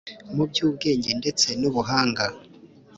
mu by’ubwenge ndetse nubuhanga